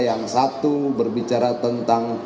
yang satu berbicara tentang